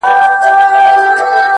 • بس همدا د زورورو عدالت دی ,